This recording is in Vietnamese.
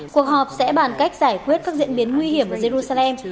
cuộc họp sẽ bàn cách giải quyết các diễn biến nguy hiểm ở jerusalem